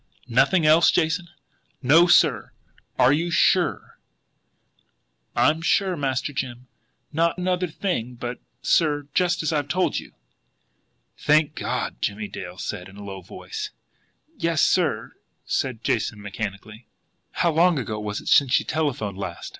"Nothing else, Jason?" "No, sir." "You are SURE?" "I'm sure, Master Jim. Not another thing but that, sir, just as I've told you." "Thank God!" said Jimmie Dale, in a low voice. "Yes, sir," said Jason mechanically. "How long ago was it since she telephoned last?"